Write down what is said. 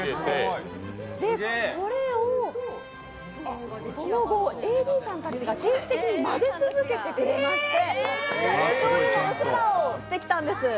これを、その後、ＡＤさんたちが定期的に混ぜ続けてくれまして、しょうゆのお世話をしてきたんです。